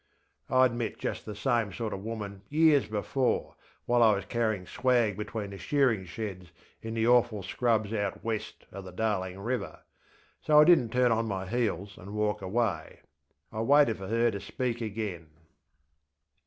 ŌĆÖ IŌĆÖd met just the same sort of woman years before while I was carrying swag between the shearing sheds in the awful scrubs out west of the Darling river, so I didnŌĆÖt turn on my heels and walk away. I waited for her to speak again.